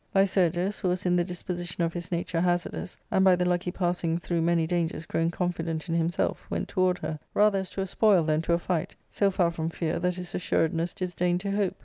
Lycurgus, who was in the disposition of his nature hazardous, and by the lucky passing through many dangers grown confident in himself, went toward her, rather as to a spoil than to a fight, so far from fear that his assured ness disdained to hope.